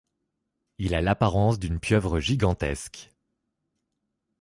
Il a l'apparence d'une pieuvre gigantesque.